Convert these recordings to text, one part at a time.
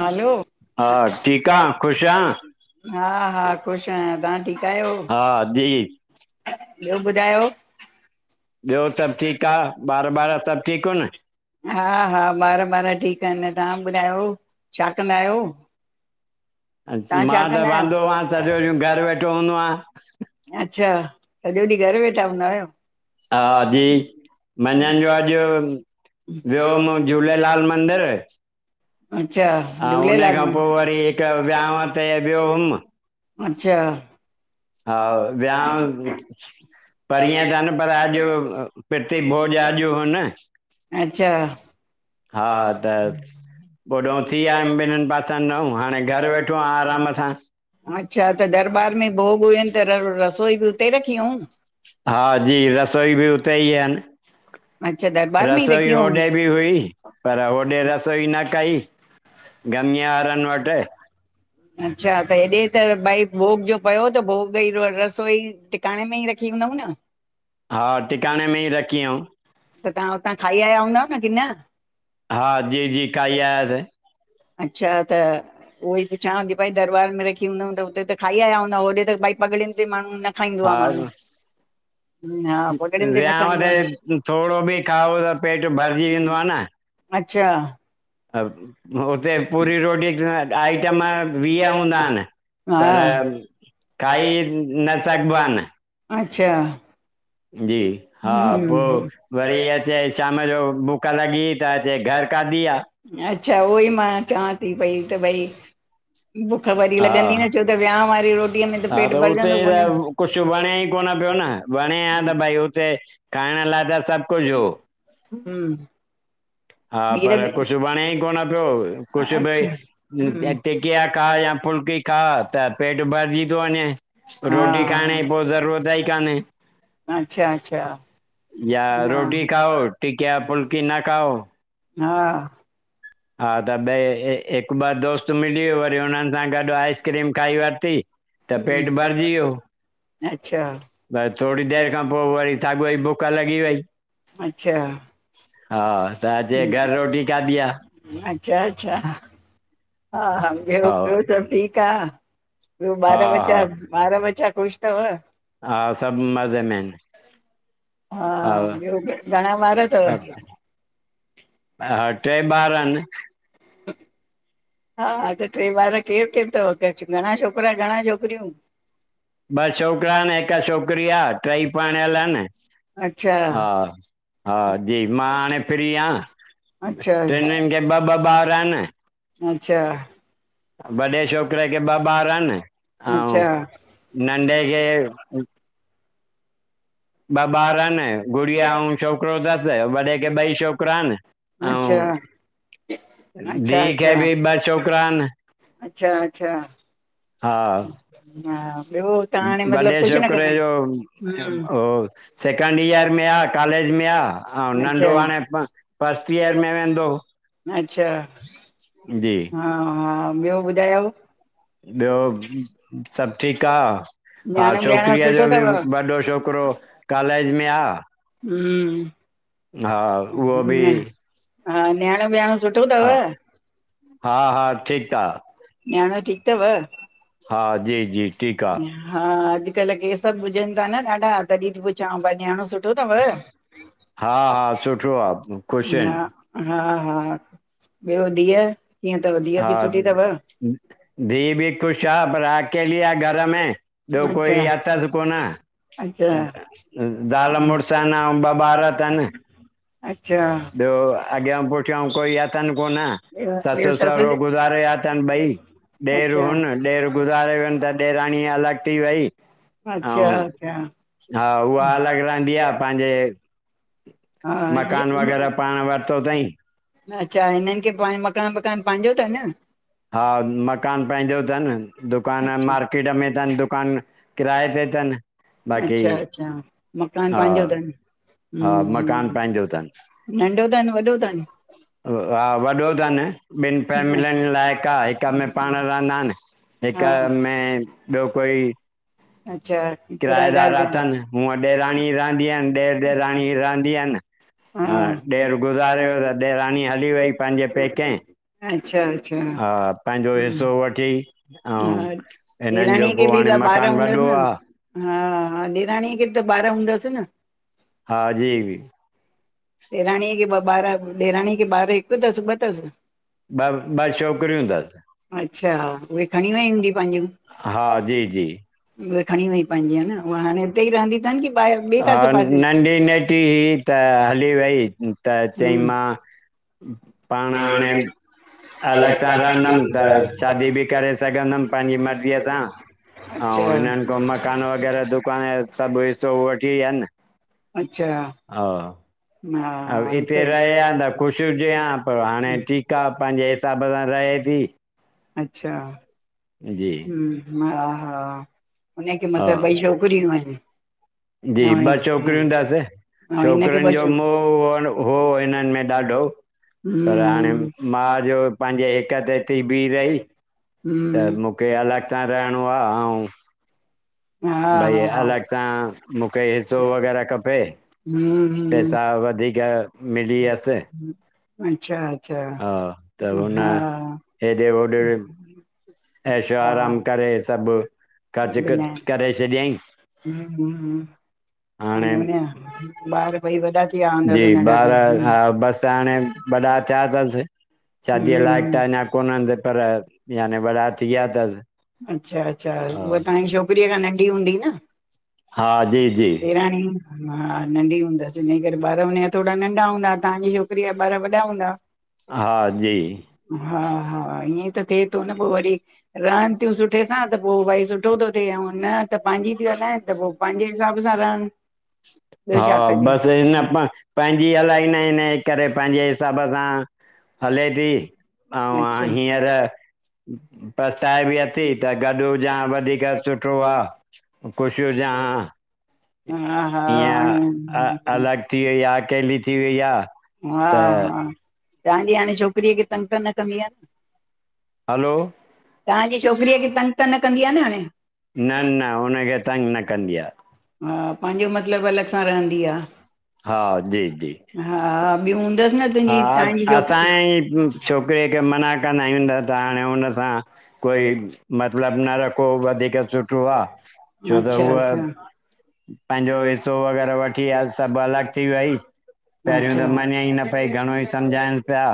हलो। हा ठीक ठीकु आं, आहे खुश ख़ुशि आ? आं हा-हा, ख़ुश आहियां, तव्हां ठीक? हा, जी। ॿियो ॿुधायो ॿियो सभु ठीकु आ ॿार ॿार सभु ठीकु हुन हा हा, बार बार ठीकु आहिनि न, तव्हां ॿुधायो छा कंदा आहियो? आहिनि तव्हां छा मां त कंदा आयो। वांदो हुअमि सॼो ॾींहुं घरु वेठो हूंदो आहियां अच्छा सॼो ॾींहुं घरु वेठा हूंदा आहियो हा जी मंझंन जो अॼु वेय्म झूलेलाल मंदिर अच्छा हा, हुन झूलेलाल खां में पो वरी हिकु वियांव ते वयो हुम। अच्छा हा वियां। परिअं थ न पर अॼु प्रती भोज अॼु हो न। अच्छा हा त होॾों थी आयुमि ॿिन्हिनि पासनि ॾाहं, हाणे घरु वेठो आं आराम सां। अच्छा, त दरबार में भोग हुयनि त रसोई बि उते रखी हुयूं हा जी रसोई बि हुते ई आहे अच्छा दरबार में ई रसोई रखी होॾे बि हुयूं हुई पर होॾे रसोई न कई। गमी वारान वट अच्छा त हेॾे त भई भोग जो पियो त भोग ई रसोई टिकाणे में ई रखी नमुना [unintelligible] हा, टिकाणे में ई रखी हुयउं त तव्हां हुतां खाई आया हूंदव न, की न? हा जी जी खाई आयास अच्छा त उहो ई पुछाव थी भाई दरबार में रखी हूंदमि त हुते त खाई आया हूंदव होॾे त भाई। पगड़ियुनि ते माण्हू न खाईंदो आहे माण्हू हा पगड़ियुनि न व्याहाव खाईंदो ते आ। थो हिकिड़ो बि खाओ त पेट भरिजी वेंदो आहे न। अच्छा हुते पूरी रोटी आइटम वीह हूंदा आहिनि हा पर खाई न सगबा आन। अच्छा हा पोइ वरी अचे शाम जो बुख लॻी त अचे घर खाधी आहे [unintelligible] [inaudible] अच्छा उहोई मां चवां थी पई त भई बुख वरी लॻंदी हा न छो त विहांउ वारी रोटीअ में त हा पेट उते भरजंदो कोन त कुझु वणे ई कोन न वणे ह त भई हुते खाइण लाइ त सभु कुझु हो हम्म हा, खीर पर में कुछ वणे ई कोन पियो कुछ अच्छा, हम्म, भाई टिकिआ खां या फुल्की खां त पेट भरजी। हा, रोटी खाइण जी पो ज़रूरत ही काने अच्छा, अच्छा या हा। रोटी खाओ टिकिया फुल्की न खाओ। हा हा तॾहिं हिकु ॿ दोस्त मिलीयो वरी हुननि सां गॾु आइस्क्रीम खाई वरिती। त पेट भरजि वियो। अच्छा, अच्छा, त थोरी देरि खां पोइ वरी साॻो ही बुख लॻी वई अच्छा हा, तहां जें घरि रोटी खाधि आ। अच्छा अच्छा, हा ह ॿियो हा सभु ठीकु आहे ॿियो हा ॿार ॿचा हा ॿार ॿचा ख़ुशि थव? हा सभु मजें में आहिनि। हा ॿियो घणा ॿार अथव ट्रे ॿार आन। [inaudible] हा, त ट्रे ॿार केरु केरु तव घणा छोकरा घणा छोकिरियूं? ॿ छोकिरा आहिनि हिकु छोकिरी आहे टई पणियल आहिनि अच्छा हा हा जी मां हाणे फ्री आं। अच्छा ट्रिनिन खे ब ब बार इन। अच्छा वॾे छोकिरे खे ॿ ॿार इन अऊं। अच्छा नंॾे खे ॿ ॿार आहिनि गुड़िया ऐं छोकिरो अथसि वॾे खे ॿई छोकिरा आहिनि अच्छा हा ऐं अच्छा धीउ खे बि ॿ अच्छा छोकिरा आहिनि अच्छा अच्छा। हा हा ॿियो तव्हां हाणे वॾे मतिलबु कुझु न छोकिरे कंदा जो आहियो? हम्म हो सेकेंड ईयर में आह कॉलेज जिम में आं अऊं, अच्छा नंढो हाणे फस्ट ईयर में वेंदो। अच्छा जी हा हा ॿियो ॿुधायो ॿियो सभु ठीकु आह? हा न्याणो ॿ्याणो छोकिरीअ सुठो जो बि अथव? वॾो छोकिरो कॉलेज में आह। हूं। बि हा, न्याणो-ब्याणो सुठ्ठो तव? हा-हा, ठीक आं। तेव हा जी जी ठीकु आ हा अॼुकल्ह केस हुजनि ता न ॾाढा तॾहिं थी पुछांव भई न्याणो सुठो तव? हा हा, सुठो आहे ख़ुशि आहिनि हा हा हा ॿियो धीअ कीअं तव धीअ बि हा सुठी तव? धीअ बि ख़ुश आ पर आकेली। छा घरि में ॿियो अच्छा कोई अथसि कोन। अच्छा जाल-मुर्स आन आऊं ॿ बार अथन। अच्छा ॿियो अॻियां पुठियां कोई अथन कोन ॿियो सस ॿियो सभु सहुरो गुज़ारे वया अथनि ॿई, ॾेर अच्छा हुन ॾेर गुज़ारे वयुन त ॾेराणीअ अलॻि थी वई अच्छा अउ अच्छा हा उहा अलॻ रहंदी आ पांजे। हा अथई अच्छा हिननि खे पो मकान वकान पंहिंजो अथन हा, मकान पंहिंजो अथनि, दुकानु अच्छा मार्केट में अथनि दुकानु किराये ते तन। अच्छा-अच्छा, मकान पांजों अथनि। हा ह मकान पंहिंजो अथनि ह नंढो अथन वॾो अथन हा वॾो तनि ॿिनि फैमिलियनि लाइक़ु आहे हिक में पाण रहंदा आहिन। हिक हा में ॿियो कोई अच्छा किराएदार किरायेदार बि अथनि आहिन हूअं ॾेराणी रहंदी यन ॾेर ॾेराणी रहंदी यन। हा ॾेर गुज़ारे वियो त ॾेरानी हली वई पंहिंजे पैके अच्छा अच्छा हा, पंहिंजो हिस्सो वठी अऊं हा हिनन जो ॾेराणीअ खे पो बि हाणे त ॿार मकान हूंदसि वॾॾो न आहे हा हा ॾेराणीअ खे त ॿार हूंदस न? हा जी ॾेराणीअ खे ॿ ॿार ॾेराणीअ खे ॿार हिक तस ॿ तस। ॿ ॿ छोकरियूं तस। अच्छा उहे खणी वई हूंदी पांजियूं हा जी जी उहे खणी वई पांजियूं औह न हुअ हाणे अन हिते ई रहंदी तन कि ॿाहिर ॿे कासे हा पासे? नंढी नेटी हुई त हली वई त चई हम्म मां पाण हाणे। अलग सां रहंदम त शादी भी करे सघंदम पाहिंजी मर्ज़ीअ सां ओं। अऊं हिनन खां मकान अच्छा वग़ैरह दुकान सभ हिस्सों वठी व्यान अच्छा हा ऐं हिते रहे आ त ख़ुश हुजे आ, पर हाणे ठीक आ पांजे हिसाब सां रहे थी। इ अच्छा जी हम्म हा हा हुनखे हा मतलब ॿई छोकरियूं आहिन। जी ॿ छोकरियूं तस हिनखे छोकरुन ॿ जो मोह हो छो हिनन में ॾाढो। तो पर हाणे हम्म माउ जो पांजे हिक ते थी बी रही। हूं हे अलॻि छा रहणो आ अऊं हा भई हा अलॻ सां, मुखे हिस्सो वग़ैरह खपे। पैसा वधीक मिली इय वियसि अच्छा अच्छा हा त हुन हा एशो हा आराम करे सभ काज कर बिना करेे हम्म छॾियईं। हम्म हाणे, हुन जा ॿार ॿई वॾा थी विया जी हूंदसि हुनजा ॿार बि हा हम्म बस हाणे वॾा थिया थस। शादीअ लायक त अन्ना हम्म कोनन पर याने वॾा थी विया तन। अच्छा अच्छा उहा तांजी छोकरीअ खां नंढी हूंदी न। हा जी जी ॾेराणियूं। हा नंढी हूंदस हिन करे ॿार हुन जा थोड़ा नंढा हूंदा। ताजी छोकिरी जा ॿार वॾा हूंदा। हा जी। हा हा इंअं त थे तो न पो वरी रहन थियूं सुठे सां त पो भाई सुठो थो थे ऐं न त पंहिंजी ती हलाइन त पो पांजे हिसाब सां रहन। हा बस हिन पंहिंजी हलाईंदा आहिन करे, पंहिंजे हिसाब सां हलेती अऊं अ अच्छा हींअर पसताए बि अती त गॾ हुजे आ वधीक सुठो आ। खुश हुजां हा हा हा ईअं आहिन। अलॻि थी वई आहे अकेली थी वई आहे हा त हा तव्हांजी हाणे छोकरीअ खे तंग त न कंदी आ। हलो? तांजी छोकरीअ खे तंग त न कंदी आ न हाणे। न न हुनखे तंग न कंदी आ। हा पांजे मतलब अलग सां रहंदी आ। हा जी जी ॿियूं हूंदसि न तुंहिंजी हा तव्हांजी छोकिरी असांही छोकरीअ खे माना आईंदा, तां हाणे हुन सां कोई मतलब न रखो वधीक सुठो आ छो त अच्छा उह अच्छा पंहिंजो हिस्सो वग़ैरह वठी आ सभ अलग थी वई, पहिरियों अच्छा त मञे ईन पई घणो ई समझाइन्स पया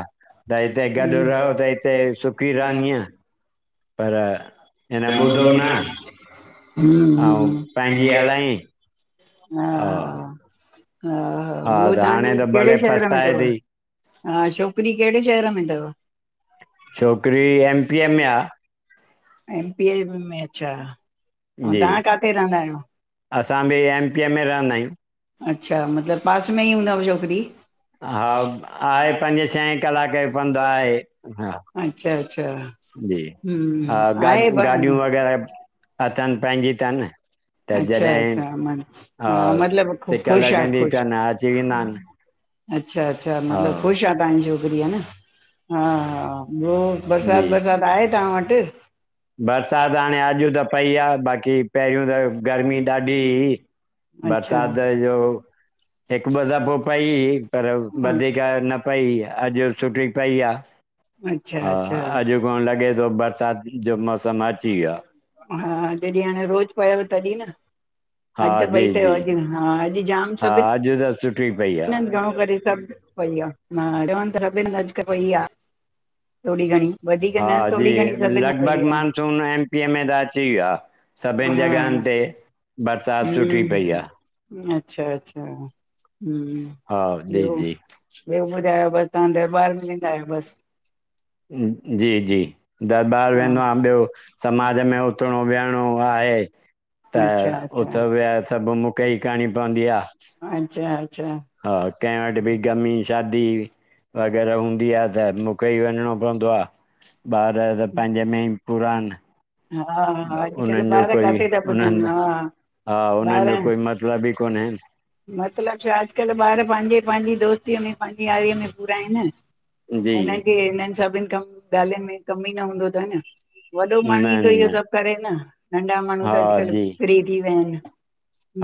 त हिते गॾ रहो त हिते सुकी रहंदीअ। पर इन ॿुधो न ऐं हम्म पंहिंजी हलायईं हा हा हा ॿियो त हाणे ताजे त केड़े भले शहर में पछताए तव, थी हा अशो। छोकरी केड़े शहर में तव? छोकरी एमपीअ मे आ। एम पी में अच्छा [inaudible] जी तव्हां काथे रहंदा आहियो? असां बि एमपीअ में रहंदा आयूं। अच्छा मतलब पास में ई हूंदव छोकरी? हा आए पंजे छहे कलाक जो पंध आए। हा अच्छा अच्छा जी हा हम्म आहे गाॾियू गाॾियूं वग़ैरह अथन पहंजी तन। त अच्छा जॾहिं अच्छा म हा मतिलबु सिक ख़ुशि आहे लॻंदी ख़ुशि तनि अची वेंदा ऐंन। अच्छा अच्छा मतलब खुश आ तव्हांजी छोकरी है न हा हा ॿियो बरसात बरसात आहे तव्हां वट। बरसात हाणे अॼ त पई आ बाक़ी पहिरूं त गर्मी ॾाढी हुई। बरसात अच्छा जो हिकु ॿ दफो पई पर वधीक न पई, अॼ सुठी पई आ अच्छा हा, अच्छा अॼ पाण लॻे थो बरसात त मौसम अची विया। हा जॾी हाणे रोज़ पयव तॾी न। अ‌ज हा पई जी तव जी अज हा अज जाम हा सभिन अॼु त सुठी पई आहे हिन घणो करे सभ उओ ई एडवांस [unintelligible] अॼकल वई आ थोड़ी घणी वधीक न हा जी थोरी घणी सभिनि हंधि लगभग पई आ मानसून एमपीअ में त अची वियो आ सभिन हा जगहन। ते बरसात सुठी पई आ हम्म अच्छा अच्छा हूं हा जी ॿियो जी ॿियो ॿुधायो बस। तव्हां दरबार में वेंदा आयो बस जी जी। दरबार हा वेंदो आम ॿियो समाज में उथणो वेहणो आहे। त अच्छा अच्छा उथ विहाए सभु मूंखे ई करिणी पवंदी आ। अच्छा अच्छा हा कंहिं वट बि गमी शादी व अगर हूंदी आ त मुखे ही वञणो पवंदो आ। ॿार त पैंजे में ई पुरान। हा हा अॼुकल्ह उन्हन जो ॿार कोई काथे था ॿुधनि हुनंद। हा हा हुनन जो कोई मतलब ई कोन्हे। मतलब छा अजकल ॿार पांजे पांजी दोस्तीअ में पांजी यारीअ में पूरा आहेन। जी हुन खे हिनन सभिन कम ॻाल्हियुन में कम ई न हूंदो तन। वॾो न माण्हू ई थो इहो न सभ करे न नंढा माण्हू हा त अजकल जी फ्री थी वया आहेन,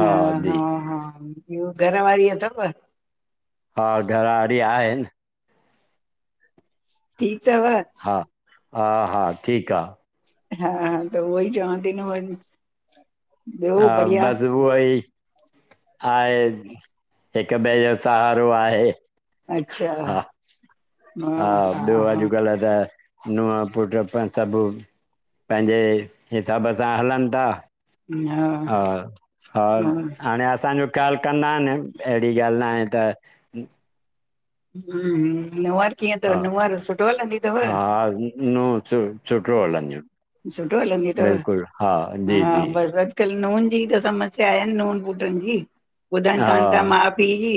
ह हा हा ॿियो घर वारी अथव? हा घर वारी आहे। टीक तव हा हा हा ठीक आ हा त उहो ई चवांती न वञ। ॿियो बढ़िया हाए हिक ॿे जो साहारो आहे। च्छा। हा हा ॿियो अजकल त नूंअ पुट पे सभु पंहिंजे हिसाब सां हलनि ता। हा हा हाणे असांजो हा ख़्याल कंदा अन एड़ी ॻाल्ह न आहे त हुं हुं नुंअर कीअं थव हा नुंअर सुठो हलंदी थव? हा नूंहं सु सुठो हलंदियूं सुठो हलंदी अथव बिल्कुलु हा जी हा जी बस अॼकल नूंन जी त समस्या आहे नू पुटन जी ॿुधन हा कान ता माँ पीअ जी।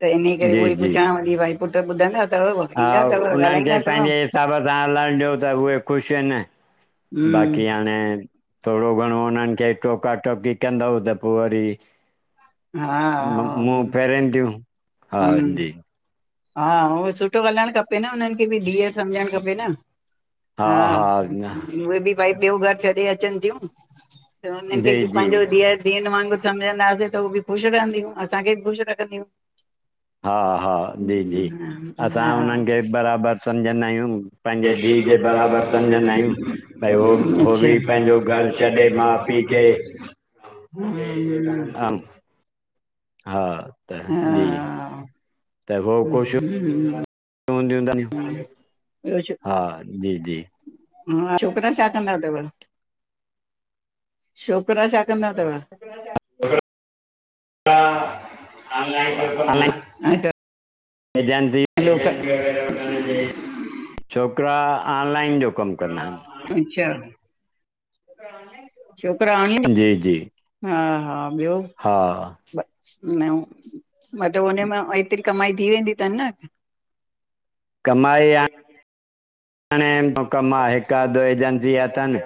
त इन करे उह जी ई जी पुछांव थी भई पुट ॿुधंदा। अथव हा ईंदा अथव उन्हनि ॻाल्हाईंदा खे अथव पंहिंजे हिसाब सां हलाइणु ॾियो त उहे ख़ुश आहिन हम्म बाक़ी हाणे थोरो घणो उन्हन खे टोका टकी कंदव त पोइ वरी हा हा मुंह फेरिन थियूं हा हम्म जी हा हुओ सुठो ॻाल्हाइणु खपे न हुननि खे बि धीअ सम्झणु खपे न। हा उहे भी भई ॿियो घरु छॾे अचन थियूं त हुननि खे जी बि जी पांजो धीअ धीअनि वांग असा मिलंदा हासे त उ बि ख़ुशि रहंदियूं असांखे बि ख़ुशि रखंदियूं। हा हा जी जी असां हा हुननि खे बराबरि सम्झंदा आहियूं, पंहिंजे धीउ जे बराबर समझंदा आहियूं भई हो भी पंहिंजो घर छॾे माउ पीउ खे अम, [unintelligible] हा त जी त हो खुश हूं हूदीनीयू ॿियो छा? हा छोकिरा छा कंदा थव? छोकिरा छा कंदा थव? आनलाइन जो कंदा आइन हे जान हलो [unintelligible] छोकिरा ऑनलाइन जो कमु कंदा आहिनि। [unintelligible] छोकिरा हणी जी जी हा हा ॿियो हा ब न मतिलब हुनम एतिरी कमाई थी वेंदी अथनि न कमाई आ [unintelligible] कम आहे हिकु अध एजेंसी अथनि